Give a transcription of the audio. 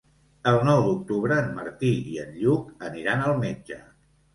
El nou d'octubre en Martí i en Lluc aniran al metge.